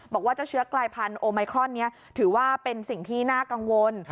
บอกว่าเจ้าเชื้อกลายพันธุ์โอไมครอนนี้ถือว่าเป็นสิ่งที่น่ากังวล